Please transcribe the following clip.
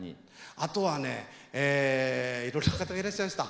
あとはねえいろいろな方がいらっしゃいました。